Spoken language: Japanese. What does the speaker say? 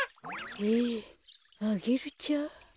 えアゲルちゃん？